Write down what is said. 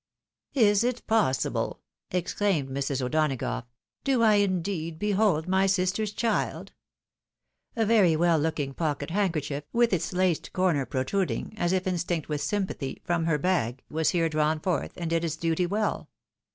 "Is it possible!" exclaimed Mrs. O'Donagough, "do I indeed behold my sister's child ?" A very well looking pocket handkerchief, with its laced comer protruding, as if instinct 106 THE WIDOW MAEKIED. with sympathy, from her bag, was here drawn forth, and did its duty well.